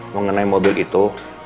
mengenai mobil itu